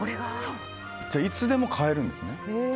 いつでも買えるんですね？